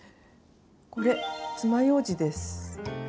これつまようじです。